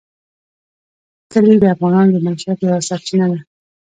کلي د افغانانو د معیشت یوه سرچینه ده.